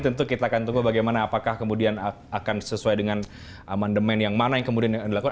tentu kita akan tunggu bagaimana apakah kemudian akan sesuai dengan amandemen yang mana yang kemudian dilakukan